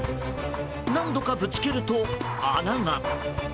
何度かぶつけると、穴が。